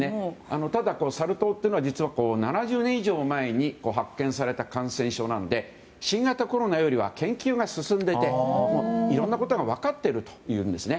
ただ、サル痘というのは実は７０年以上も前に発見された感染症なんで新型コロナよりは研究が進んでいていろんなことが分かっているというんですね。